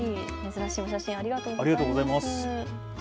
珍しいお写真、ありがとうございます。